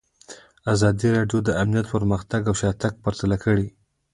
ازادي راډیو د امنیت پرمختګ او شاتګ پرتله کړی.